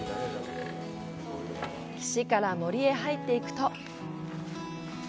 岸から森へ入っていくと。